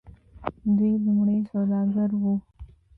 دوی لومړی سوداګر وو.